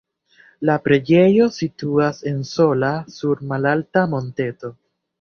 La preĝejo situas en sola sur malalta monteto.